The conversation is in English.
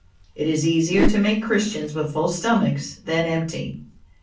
It is easier to make Christians with full stomachs than empty.